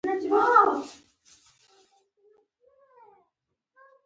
پیرودونکی د انصاف تمه لري.